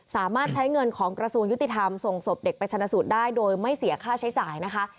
สามารถใช้เงินของกระทรวงยุติธรรมส่งศพเด็กไปชนะสูตรได้โดยไม่เสียค่าใช้จ่ายนะคะ